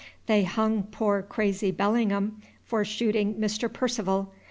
They hung poor, crazy Bellingham for shooting Mr. Perceval.